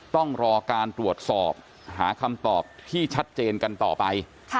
ต้องรอการตรวจสอบหาคำตอบที่ชัดเจนกันต่อไป